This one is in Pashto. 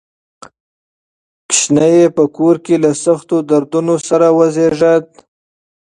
ماشوم یې په کور کې له سختو دردونو سره وزېږېد.